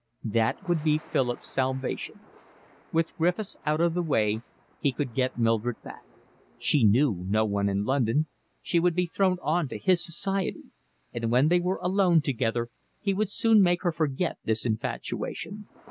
That would be Philip's salvation. With Griffiths out of the way he could get Mildred back. She knew no one in London, she would be thrown on to his society, and when they were alone together he could soon make her forget this infatuation.